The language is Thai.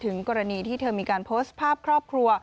กรณีที่เธอมีการโพสต์ภาพครอบครัว